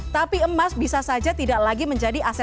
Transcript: tapi emas bisa saja tidak lagi menjadi aset